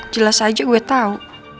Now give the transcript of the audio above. jelas aja gue tahu